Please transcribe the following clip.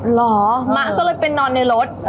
เหรอมะก็เลยไปนอนในรถ